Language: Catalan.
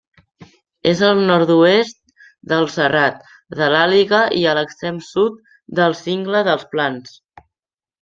És al nord-oest del Serrat de l'Àliga i a l'extrem sud del Cingle dels Plans.